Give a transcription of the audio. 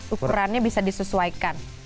ukurannya bisa disesuaikan